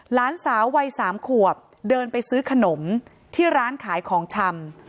หลานสาววัย๓ขวบเดินไปซื้อขนมที่ร้านขายของชำ